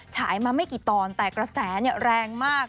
ฉายมาไม่กี่ตอนแต่กระแสแรงมาก